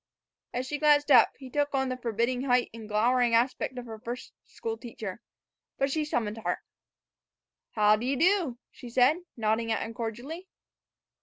As she glanced up, he took on the forbidding height and glowering aspect of her first school teacher. But she summoned heart. "How d' ye do?" she said, nodding at him cordially.